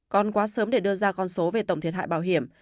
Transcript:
còn quá sớm để đưa ra con số về tổng thiệt hại bảo hiểm